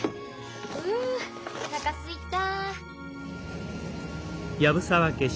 うおなかすいた。